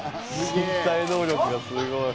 身体能力がすごい。